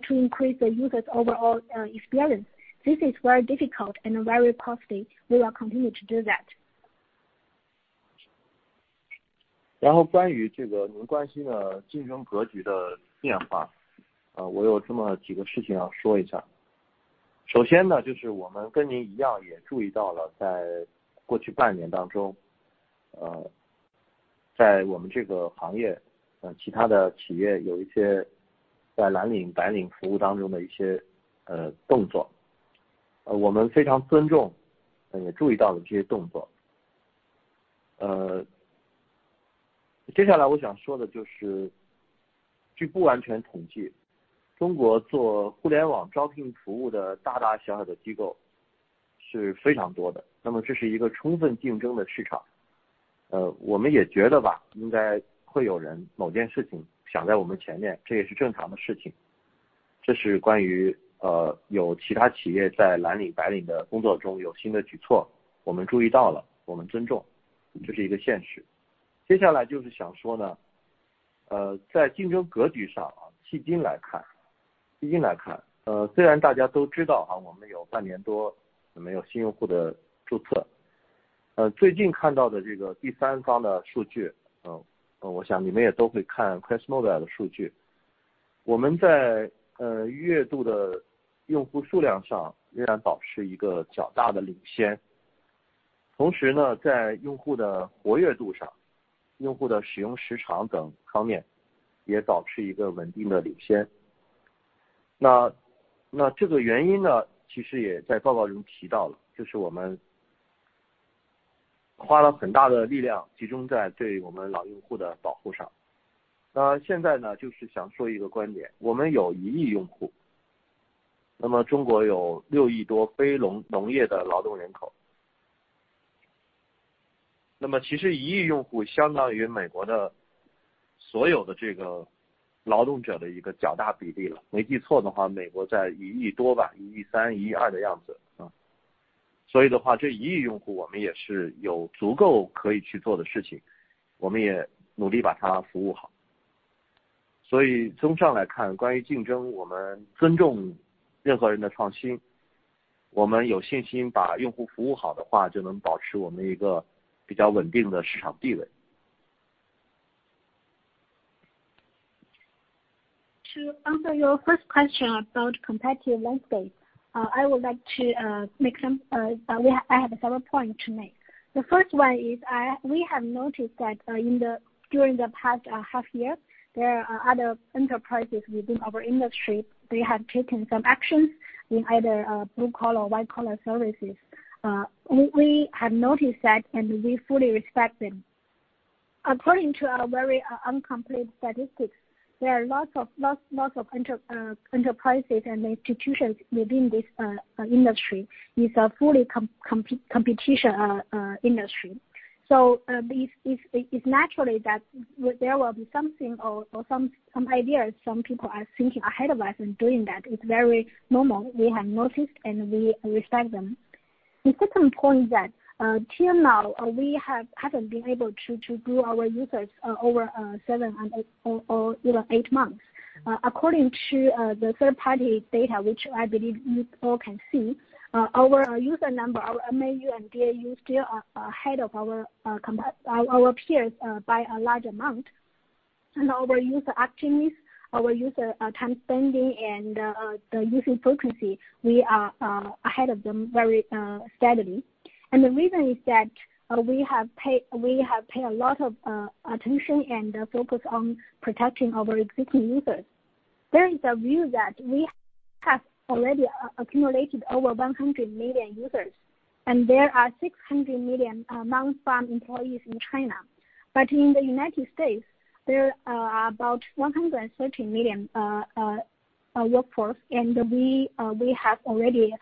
to increase the users overall experience. This is very difficult and very costly. We will continue to do that. To answer your first question about competitive landscape, I have several points to make. The first one is we have noticed that during the past half year, there are other enterprises within our industry. They have taken some actions in either blue collar or white collar services. We have noticed that, and we fully respect them. According to a very incomplete statistics, there are lots of enterprises and institutions within this industry. It's a fully competitive industry. It's natural that there will be some ideas some people are thinking ahead of us and doing that. It's very normal. We have noticed and we respect them. The second point is that till now, we haven't been able to grow our users over seven or eight, you know, eight months. According to the third-party data, which I believe you all can see, our user number, our MAU and DAU still are ahead of our peers by a large amount. Our user activities, our user time spent and the usage frequency, we are ahead of them very steadily. The reason is that we have paid a lot of attention and focus on protecting our existing users. There is a view that we have already accumulated over 100 million users, and there are 600 million non-farm employees in China. In the United States, there are about 130 million workforce. We have already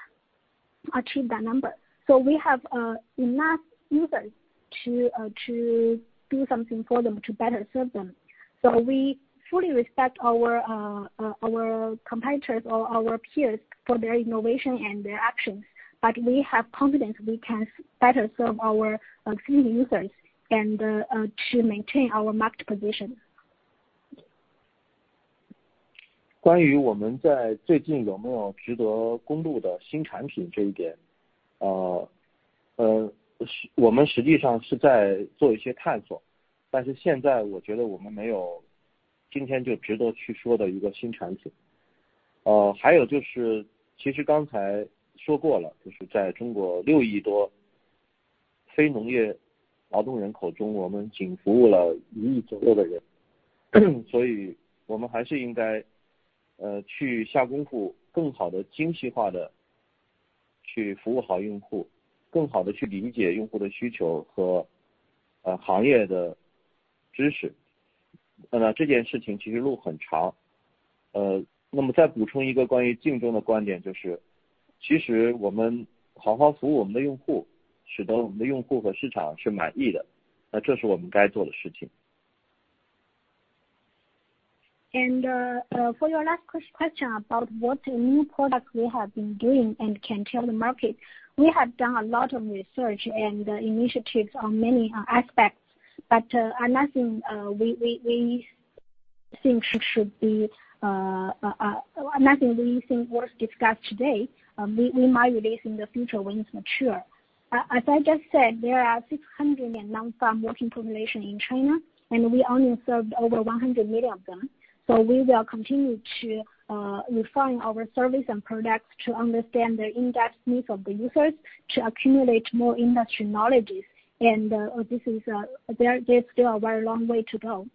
achieved that number. We have enough users to do something for them to better serve them. We fully respect our competitors or our peers for their innovation and their actions. We have confidence we can better serve our existing users and to maintain our market position. For your last question about what new product we have been doing and can tell the market, we have done a lot of research and initiatives on many aspects, but nothing we think should be worth discuss today. We might release in the future when it's mature. As I just said, there are 600 million non-farm working population in China, and we only served over 100 million of them. We will continue to refine our service and products to understand the in-depth needs of the users to accumulate more industry knowledges. This is, there's still a very long way to go.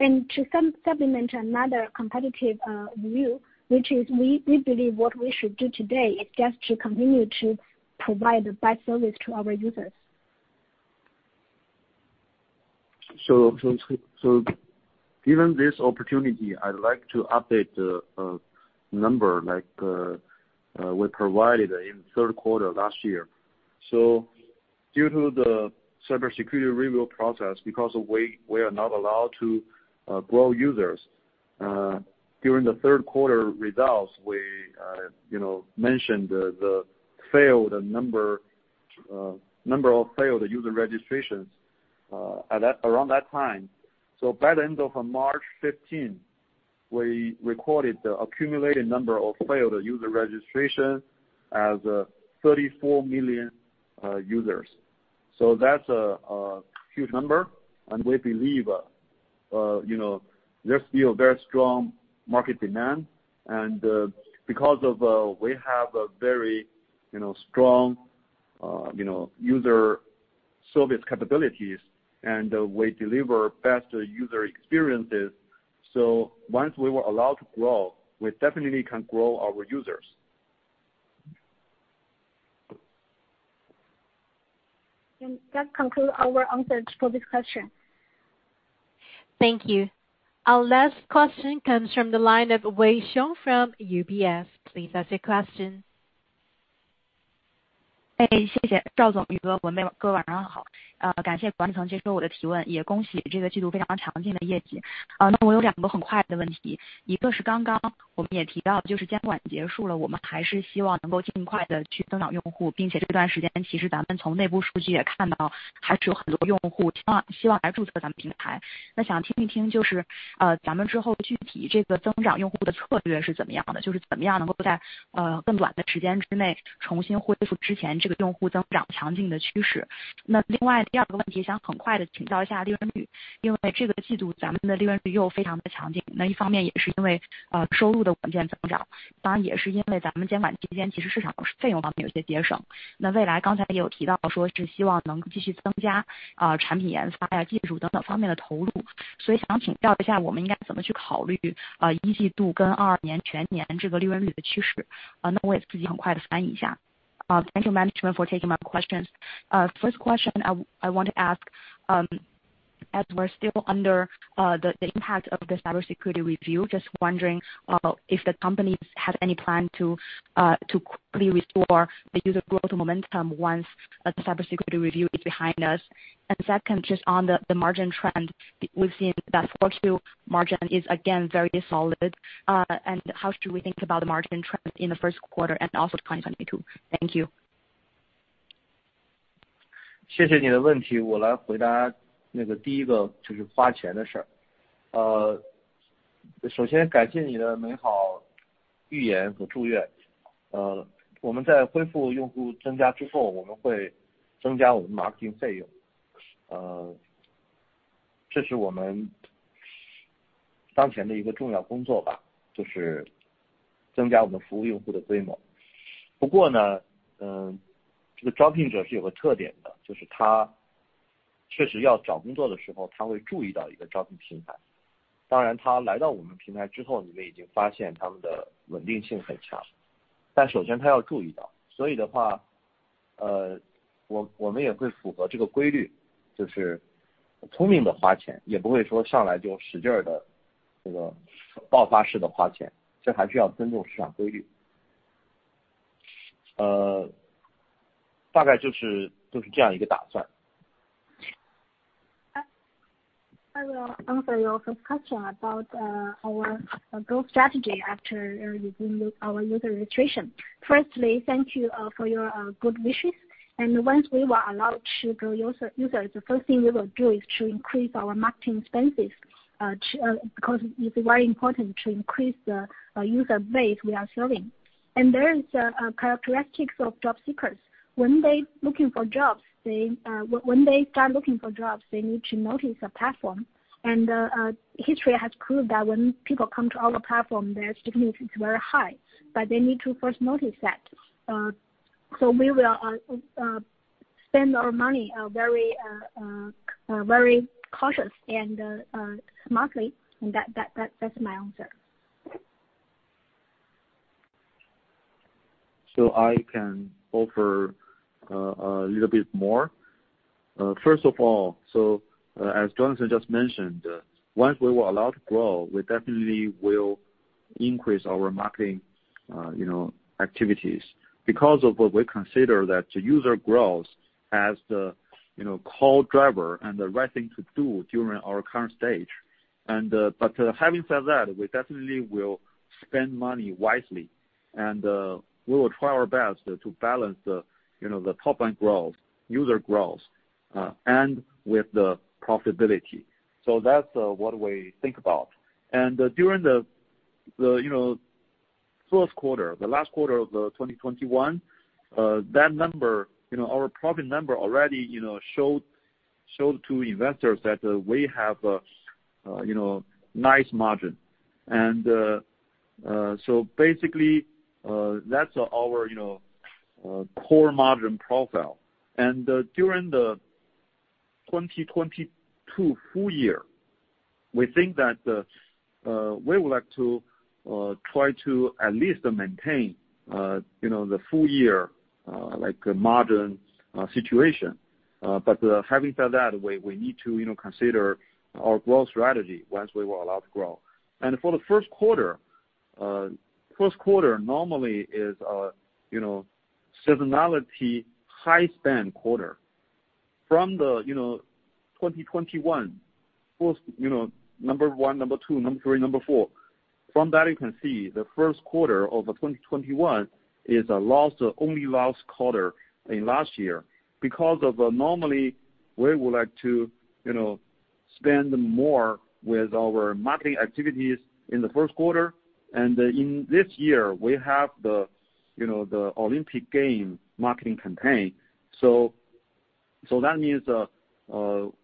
To supplement another competitive view, which is we believe what we should do today is just to continue to provide the best service to our users. Given this opportunity, I'd like to update the number like we provided in third quarter last year. Due to the cybersecurity review process, because we are not allowed to grow users during the third quarter results, we you know mentioned the number of failed user registrations around that time. By the end of March 15th, we recorded the accumulated number of failed user registration as 34 million users. That's a huge number. We believe you know there's still very strong market demand. Because we have a very you know strong you know user service capabilities, and we deliver best user experiences. Once we were allowed to grow, we definitely can grow our users. That concludes our answers for these questions. Thank you. Our last question comes from the line of Wei Xiong from UBS. Please ask your question. 谢谢赵总、雨果、文蓓，各位晚上好。感谢管理层接受我的提问，也恭喜这个季度非常强劲的业绩。那我有两个很快的问题，一个是刚刚我们也提到，就是监管结束了，我们还是希望能够尽快地去增长用户，并且这段时间其实咱们从内部数据也看到，还是有很多用户希望来注册咱们平台，那想听一听，就是咱们之后具体这个增长用户的策略是怎么样的，就是怎么样能够在更短的时间之内重新恢复之前这个用户增长强劲的趋势。那另外第二个问题，想很快地请教一下利润率，因为这个季度咱们的利润率又非常的强劲，那一方面也是因为收入的稳健增长，当然也是因为咱们监管期间，其实市场费用方面有些节省，那未来刚才也有提到说是希望能继续增加产品研发、技术等等方面的投入，所以想请教一下我们应该怎么去考虑一季度跟全年这个利润率的趋势。那我也自己很快地翻译一下。Thank you, management, for taking my questions. First question, I want to ask, as we're still under the impact of the cybersecurity review, just wondering if the company has any plan to quickly restore the user growth momentum once the cybersecurity review is behind us. Second, just on the margin trend, we've seen that Q4 margin is again very solid. How should we think about the margin trend in the first quarter and also 2022? Thank you. I will answer your first question about our growth strategy after you bring our user registration. First, thank you for your good wishes. Once we were allowed to grow user, the first thing we will do is to increase our marketing expenses to, because it's very important to increase the user base we are serving. There is a characteristic of job seekers. When they looking for jobs, they when they start looking for jobs, they need to notice a platform. History has proved that when people come to our platform, their stickiness is very high, but they need to first notice that. We will spend our money very very cautious and smartly. That that's my answer. I can offer a little bit more. First of all, as Jonathan just mentioned, once we were allowed to grow, we definitely will increase our marketing, you know, activities because of what we consider that user growth as the, you know, core driver and the right thing to do during our current stage. Having said that, we definitely will spend money wisely and we will try our best to balance the, you know, the top line growth, user growth, and with the profitability. That's what we think about. During the first quarter, the last quarter of 2021, that number, our profit number already showed to investors that we have nice margin. Basically, that's our core margin profile. During the 2022 full year, we think that we would like to try to at least maintain the full year like a margin situation. But having said that, we need to consider our growth strategy once we were allowed to grow. For the first quarter, first quarter normally is a seasonality high spend quarter. From the 2021 first, number one, number two, number three, number four. From that, you can see the first quarter of the 2021 is a loss, only loss quarter in last year. Because normally we would like to spend more with our marketing activities in the first quarter. In this year we have the Olympics games marketing campaign. That means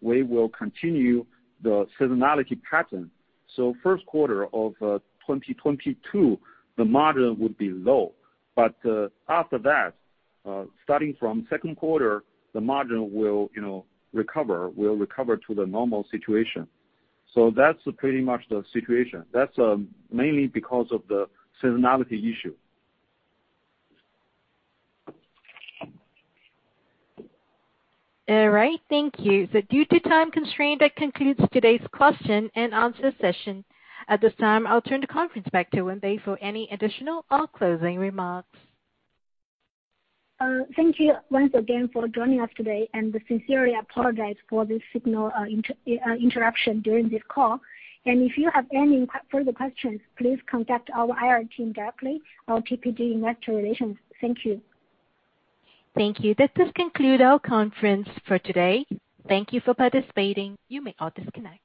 we will continue the seasonality pattern. First quarter of 2022, the margin would be low. After that, starting from second quarter, the margin will recover to the normal situation. That's pretty much the situation. That's mainly because of the seasonality issue. All right. Thank you. Due to time constraint, that concludes today's Q&A session. At this time, I'll turn the conference back to Wenbei for any additional or closing remarks. Thank you once again for joining us today and sincerely apologize for the signal interruption during this call. If you have any further questions, please contact our IR team directly or TPG Investor Relations. Thank you. Thank you. This does conclude our conference for today. Thank you for participating. You may all disconnect.